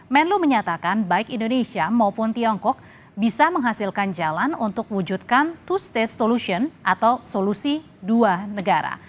menlu menyatakan baik indonesia maupun tiongkok bisa menghasilkan jalan untuk mewujudkan two state solution atau solusi dua negara